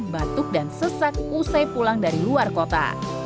batuk dan sesak usai pulang dari luar kota